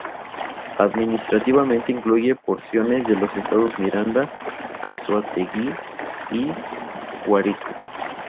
Administrativamente incluye porciones de los estados Miranda, Anzoátegui y Guárico.